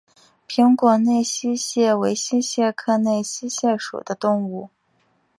平果内溪蟹为溪蟹科内溪蟹属的动物。